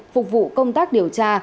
phục vụ công tác điều tra